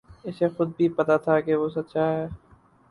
اسے خود بھی پتہ تھا کہ وہ سچا ہے